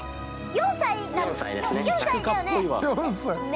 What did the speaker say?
４歳だよね？